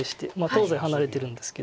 東西離れてるんですけど。